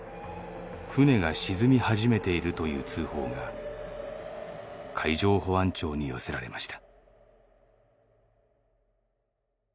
「船が沈み始めている」という通報が海上保安庁に寄せられました。